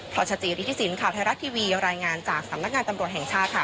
ชจิริฐศิลปข่าวไทยรัฐทีวีรายงานจากสำนักงานตำรวจแห่งชาติค่ะ